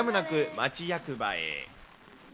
町役場へ。